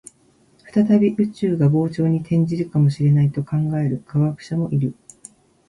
再び宇宙が膨張に転じるかもしれないと考える科学者もいる